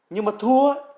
nhưng mà thua